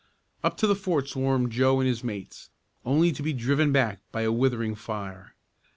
Up to the fort swarmed Joe and his mates, only to be driven back by a withering fire.